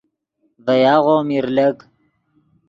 ڤے یاغو میر لک